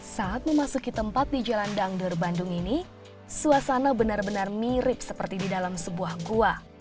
saat memasuki tempat di jalan dangdur bandung ini suasana benar benar mirip seperti di dalam sebuah gua